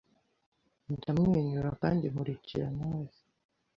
ndamwenyura, kandi nkurikira nawes